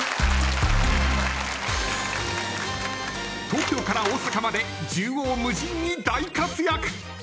東京から大阪まで縦横無尽に大活躍。